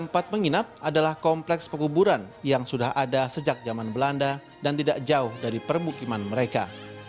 tempat penginap adalah kompleks pekuburan yang sudah ada sejak zaman belanda dan tidak jauh dari permukiman mereka